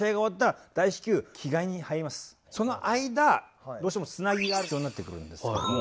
すいませんけどその間どうしてもつなぎが必要になってくるんですけども。